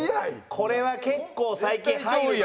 これは結構最近入るのよ。